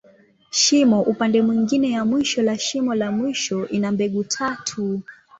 Shimo upande mwingine ya mwisho la shimo la mwisho, ina mbegu tatu.